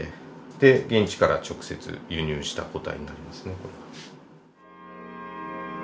で現地から直接輸入した個体になりますね。